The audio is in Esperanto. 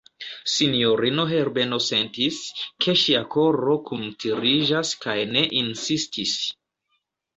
Sinjorino Herbeno sentis, ke ŝia koro kuntiriĝas, kaj ne insistis.